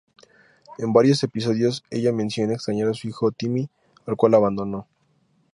En varios episodios ella menciona extrañar a su hijo Timmy, al cual abandonó.